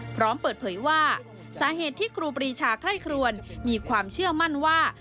พร้อมเปิดเผยว่าสาเหตุที่ครูปรีชาไคร่ครวนมีความเชื่อมั่นว่า